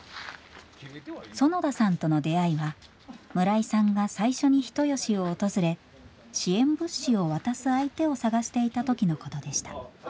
園田さんとの出会いは村井さんが最初に人吉を訪れ支援物資を渡す相手を探していた時のことでした。